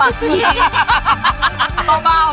แม่ขี้เหล่ไปต่อปากนี้